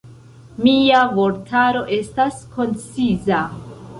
Mia vortaro estas konciza.